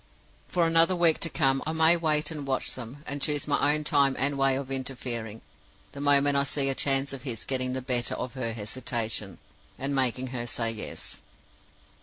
For another week to come, I may wait and watch them, and choose my own time and way of interfering the moment I see a chance of his getting the better of her hesitation, and making her say Yes.